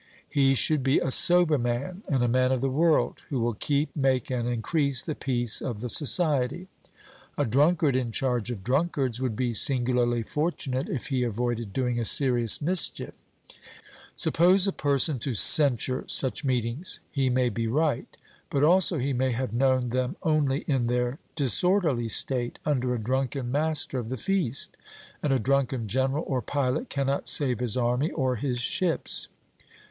He should be a sober man and a man of the world, who will keep, make, and increase the peace of the society; a drunkard in charge of drunkards would be singularly fortunate if he avoided doing a serious mischief. 'Indeed he would.' Suppose a person to censure such meetings he may be right, but also he may have known them only in their disorderly state, under a drunken master of the feast; and a drunken general or pilot cannot save his army or his ships.